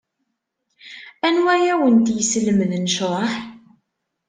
Anwa ay awent-yeslemden ccḍeḥ?